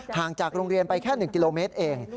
จากโรงเรียนไปแค่๑กิโลเมตรเอง